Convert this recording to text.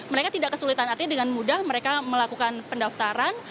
mereka tidak kesulitan artinya dengan mudah mereka melakukan pendaftaran